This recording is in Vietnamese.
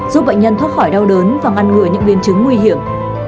giúp bệnh nhân thoát khỏi đau đớn và ngăn ngừa những biến chứng nguy hiểm